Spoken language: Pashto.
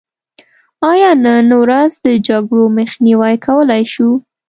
آیا نن ورځ د جګړو مخنیوی کولی شو؟